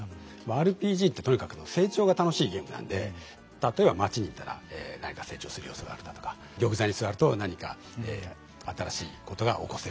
ＲＰＧってとにかく成長が楽しいゲームなんで例えば町に行ったら何か成長する要素があるだとか玉座に座ると何か新しいことが起こせるとか。